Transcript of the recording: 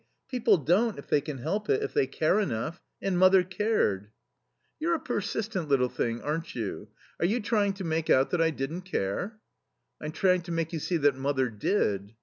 People don't, if they can help it, if they care enough. And mother cared." "You're a persistent little thing, aren't you? Are you trying to make out that I didn't care?" "I'm trying to make you see that mother did."